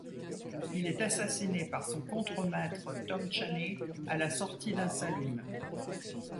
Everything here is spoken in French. Il est assassiné par son contremaître Tom Chaney à la sortie d'un saloon.